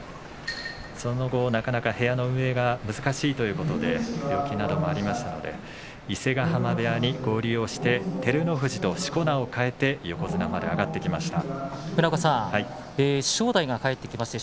その後なかなか部屋の運営が難しいということで病気などもありまして伊勢ヶ濱部屋に合流して照ノ富士としこ名を変えて正代、帰ってきました。